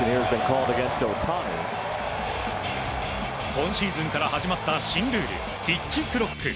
今シーズンから始まった新ルール、ピッチクロック。